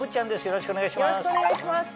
よろしくお願いします。